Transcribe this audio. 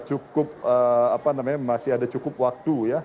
saya kira kita bersabar saja pada saat yang tepat ini kan masih ada cukup waktu ya